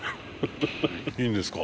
いいんですか。